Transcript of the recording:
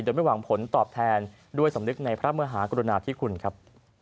โดยไม่หวังผลตอบแทนด้วยสำนึกในพระมหากรุณาธิคุณครับ